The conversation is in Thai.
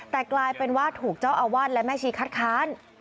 แต่กลายเป็นว่าถูกเจ้าอาวาสและแม่ชีคัดค้าน